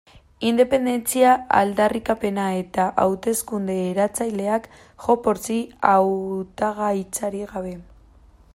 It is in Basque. Independentzia aldarrikapena eta hauteskunde eratzaileak JxSí hautagaitzarik gabe.